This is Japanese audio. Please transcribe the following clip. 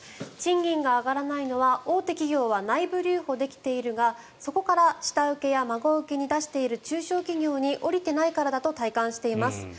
賃金が上がらないのは大手企業は内部留保できているがそこから下請けや孫請けに出している中小企業に降りてないからだと体感しています。